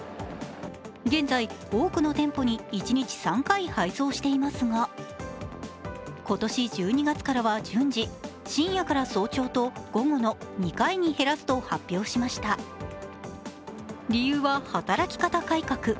現在、多くの店舗に一日３回配送していますが今年１２月からは、順次、深夜から早朝と午後の２回に減らすと発表しました理由は働き方改革。